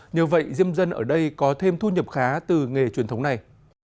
nhờ vậy diêm dân ở đây có thêm thu nhập khá từ nghề truyền thống này